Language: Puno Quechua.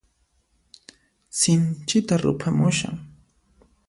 Sinchita ruphamushan.